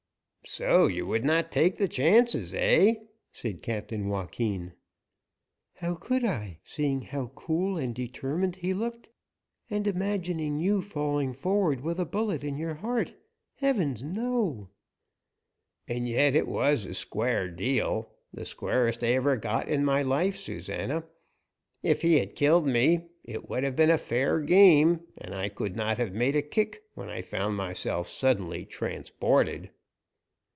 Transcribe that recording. "So, you would not take the chances, eh?" said Captain Joaquin. "How could I, seeing how cool and determined he looked, and imagining you falling forward with a bullet in your heart Heavens, no!" "And yet it was a square deal, the squarest I ever got in my life, Susana. If he had killed me, it would have been a fair game, and I could not have made a kick when I found myself suddenly transported."